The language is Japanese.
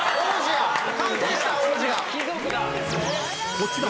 ［こちらが］